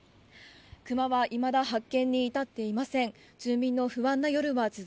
クマはいまだ発見に至っていません。